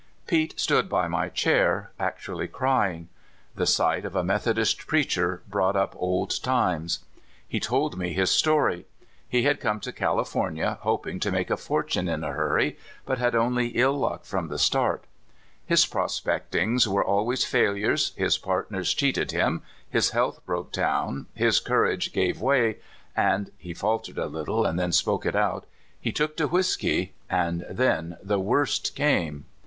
Pete stood by my chair, actually crying. The sight of a Methodist preacher brought up old times. He told me his story. He had come to California hoping to make a fortune in a hurry, but had only ill luck from the start. His prospect ings were always failures, his partners cheated him, his health broke down, his courage gave way, and — he faltered a little, and then spoke it out — he took to whisk}^, and then the worst came.